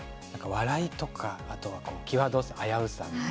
笑いとか、あとは際どさ、危うさ。